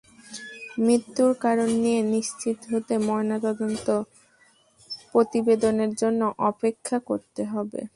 মৃত্যুর কারণ নিয়ে নিশ্চিত হতে ময়নাতদন্ত প্রতিবেদনের জন্য অপেক্ষা করতে হবে।